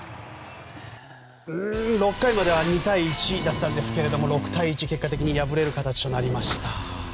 ６回までは２対１だったんですけど６対１と結果的に敗れる形になりました。